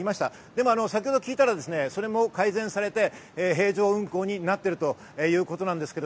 でも先ほど聞いたら、それも改善されて平常運行になっているということです。